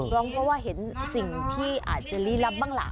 ร้องเพราะว่าเห็นสิ่งที่อาจจะลี้ลับบ้างล่ะ